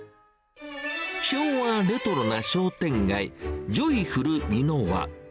昭和レトロな商店街、ジョイフル三の輪。